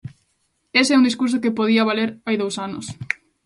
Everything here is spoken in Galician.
Ese é un discurso que podía valer hai dous anos.